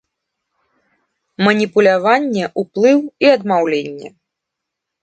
Маніпуляванне, уплыў і адмаўленне.